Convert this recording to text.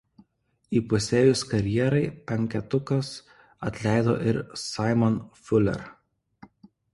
Įpusėjus karjerai penketukas atleido ir Simon Fuller.